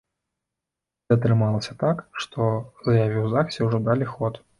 Ды атрымалася так, што заяве ў загсе ўжо далі ход.